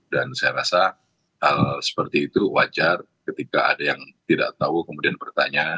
dan saya rasa hal seperti itu wajar ketika ada yang tidak tahu kemudian bertanya